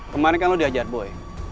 kemarin kan lo diajar boy